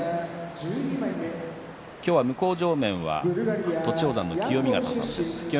今日は向正面は栃煌山の清見潟さんです。